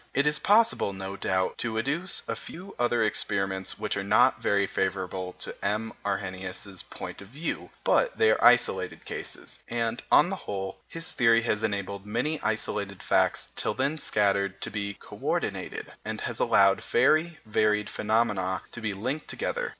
It is possible, no doubt, to adduce a few other experiments which are not very favourable to M. Arrhenius's point of view, but they are isolated cases; and, on the whole, his theory has enabled many isolated facts, till then scattered, to be co ordinated, and has allowed very varied phenomena to be linked together.